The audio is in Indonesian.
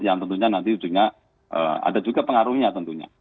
yang tentunya nanti juga ada juga pengaruhnya tentunya